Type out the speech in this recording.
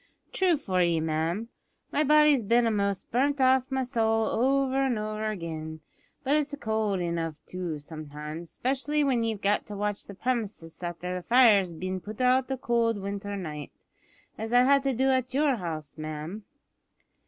"True for ye, ma'am. My body's bin a'most burnt off my sowl over and over again; but it's cowld enough, too, sometimes, specially when ye've got to watch the premises after the fire's bin put out of a cowld winter night, as I had to do at your house, ma'am."